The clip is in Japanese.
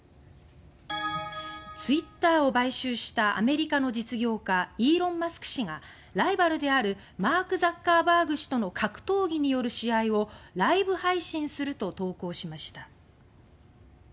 ツイッターを買収したアメリカの実業家イーロン・マスク氏がライバルであるマーク・ザッカーバーグ氏との格闘技による試合をライブ配信すると投稿しました。